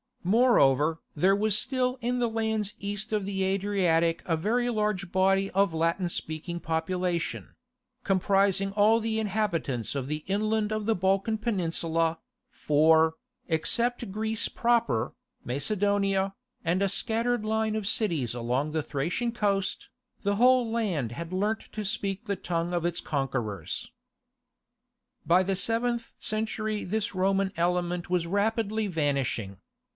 Moreover there was still in the lands east of the Adriatic a very large body of Latin speaking population—comprising all the inhabitants of the inland of the Balkan peninsula, for, except Greece proper, Macedonia, and a scattered line of cities along the Thracian coast, the whole land had learnt to speak the tongue of its conquerors. By the seventh century this Roman element was rapidly vanishing.